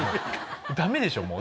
ダメでしょう。